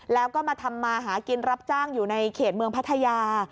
แล้วก็มาทำมาหากินรับจ้างอยู่ในเขตเมืองพัทยา